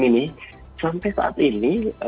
ini sampai saat ini